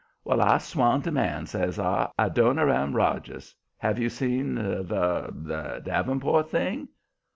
"Well, I swan to man!" says I. "Adoniram Rogers! Have you seen the the davenport thing?"